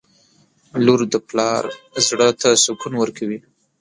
• لور د پلار زړه ته سکون ورکوي.